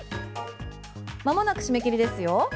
まもなく締め切りですよ。